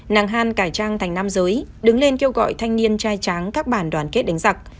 nàng han cải trang thành nam giới đứng lên kêu gọi thanh niên trai tráng các bản đoàn kết đánh giặc